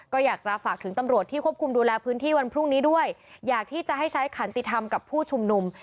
ก็อยากจะฝากถึงตำรวจที่ควบคุมดูแลพื้นที่วันพรุ่งนี้ด้วยอยากที่จะให้ใช้ขันติธรรมกับผู้ชุมนุม